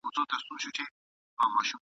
په یوه گوزار یې خوله کړله ورماته ..